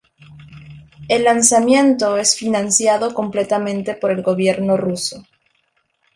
El lanzamiento es financiado completamente por el gobierno ruso.